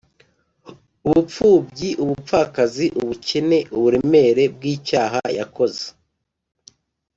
ubupfubyi, ubupfakazi, ubukene, uburemere bw’icyaha yakoze